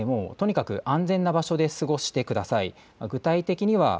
今夜は、とにかく安全な場所で過ごしてください。